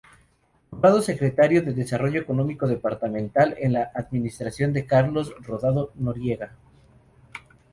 Nombrado Secretario de Desarrollo Económico Departamental en la administración de Carlos Rodado Noriega.